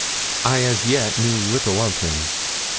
I as yet knew little of him.